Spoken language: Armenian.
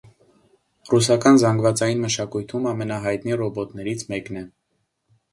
Ռուսական զանգվածային մշակույթում ամենահայտնի ռոբոտներից մեկն է։